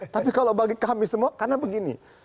tapi kalau bagi kami semua karena begini